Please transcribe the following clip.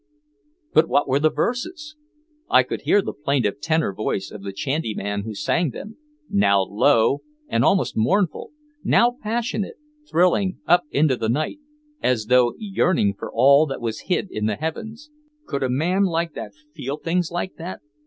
But what were the verses? I could hear the plaintive tenor voice of the chantyman who sang them now low and almost mournful, now passionate, thrilling up into the night, as though yearning for all that was hid in the heavens. Could a man like that feel things like that?